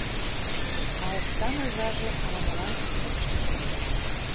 А оксан озаже ала-молан шып шинча.